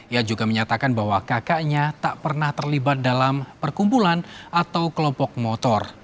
ia juga menyatakan bahwa kakaknya tak pernah terlibat dalam perkumpulan atau kelompok motor